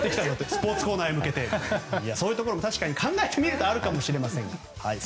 スポーツコーナーへ向けて、そういうところも考えてみるとあるかもしれませんが。